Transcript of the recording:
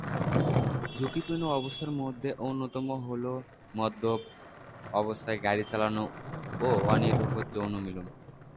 ঝুঁকিপূর্ণ অবস্থার মধ্যে অন্যতম হলো মদ্যপ অবস্থায় গাড়ি চালানো ও অনিরাপদ যৌনমিলন।